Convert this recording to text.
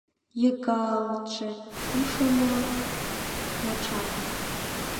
Йыгалтше — ушымо начар